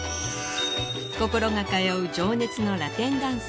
心が通う情熱のラテンダンス